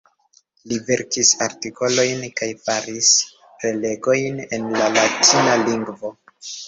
Li verkis artikolojn kaj faris prelegojn en la latina lingvo.